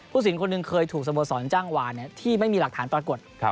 ผู้สินคนหนึ่งเคยถูกสมสรรจั้งวาเนี่ยที่ไม่มีหลักฐานปรากฏครับ